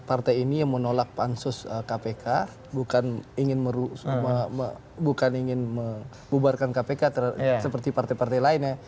partai ini yang menolak pansus kpk bukan ingin membubarkan kpk seperti partai partai lainnya